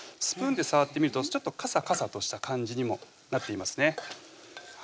スプーンで触ってみるとちょっとかさかさとした感じにもなっていますね